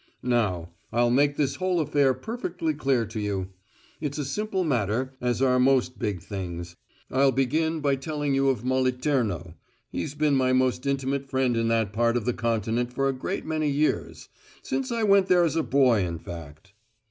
"Now, I'll make this whole affair perfectly clear to you. It's a simple matter, as are most big things. I'll begin by telling you of Moliterno he's been my most intimate friend in that part of the continent for a great many years; since I went there as a boy, in fact."